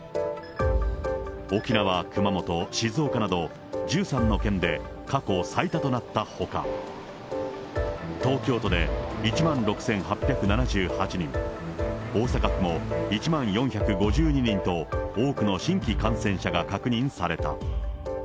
沖縄、熊本、静岡など、１３の県で、過去最多となったほか、東京都で１万６８７８人、大阪府も１万４５２人と、多くの新規感染者が確認された。